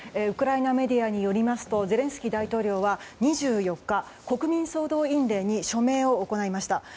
ウクライナメディアによりますとゼレンスキー大統領は２４日国民総動員令に署名を行いました。